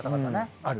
ある？